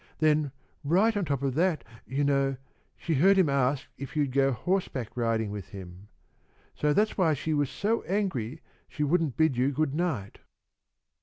Then, right on top of that, you know, she heard him ask if you'd go horseback riding with him. So that's why she was so angry she wouldn't bid you good night."